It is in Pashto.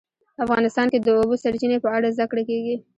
افغانستان کې د د اوبو سرچینې په اړه زده کړه کېږي.